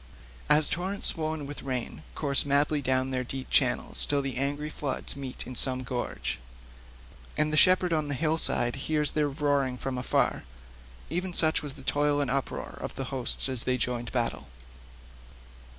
As torrents swollen with rain course madly down their deep channels till the angry floods meet in some gorge, and the shepherd on the hillside hears their roaring from afar—even such was the toil and uproar of the hosts as they joined in battle.